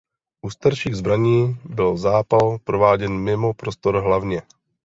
U starších zbraní byl zápal prováděn mimo prostor hlavně.